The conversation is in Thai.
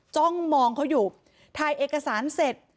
จ้องมองเขาอยู่ถ่ายเอกสารเสร็จ